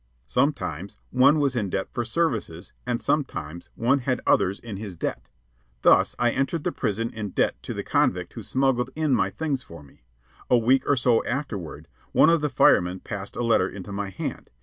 Sometimes one was in debt for services, and sometimes one had others in his debt. Thus, I entered the prison in debt to the convict who smuggled in my things for me. A week or so afterward, one of the firemen passed a letter into my hand.